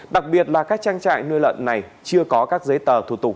đặc biệt là các trang trại nuôi lợn này chưa có các giấy tờ thủ tục